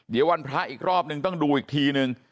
เดี๋ยววันพระอีกรอบนึงต้องดูอีกทีนึง